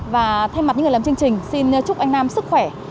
và thay mặt những người làm chương trình xin chúc anh nam sức khỏe